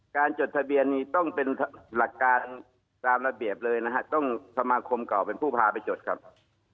จดทะเบียนนี้ต้องเป็นหลักการตามระเบียบเลยนะฮะต้องสมาคมเก่าเป็นผู้พาไปจดครับ